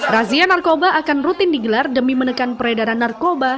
razia narkoba akan rutin digelar demi menekan peredaran narkoba